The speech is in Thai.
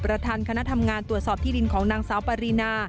ประธานคณะทำงานตรวจสอบที่ดินของนางสาวปรินา